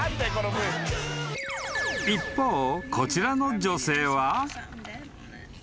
［一方こちらの女性は］